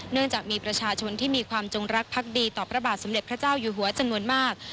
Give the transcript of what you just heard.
เนื่องจากมีประชาชนที่มีความจงรักพักดีต่อพระบาทสมเด็จพระเจ้าอยู่หัวจำนวนมาก